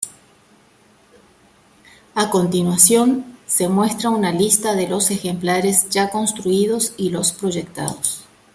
A continuación se muestra una lista de los ejemplares ya construidos y los proyectados.